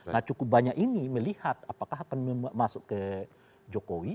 nah cukup banyak ini melihat apakah akan masuk ke jokowi